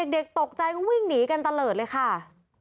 เด็กตกใจก็วิ่งหนีกันตะเลิศเลยค่ะ